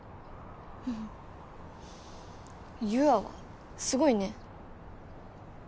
ふふっ優愛はすごいね。